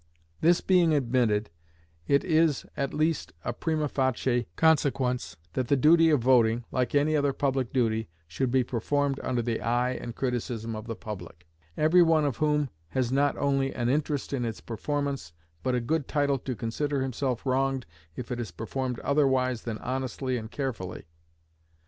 This being admitted, it is at least a primâ facie consequence that the duty of voting, like any other public duty, should be performed under the eye and criticism of the public; every one of whom has not only an interest in its performance, but a good title to consider himself wronged if it is performed otherwise than honestly and carefully.